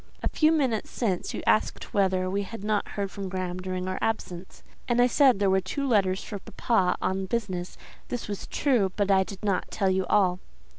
"A few minutes since you asked whether we had not heard from Graham during our absence, and I said there were two letters for papa on business; this was true, but I did not tell you all."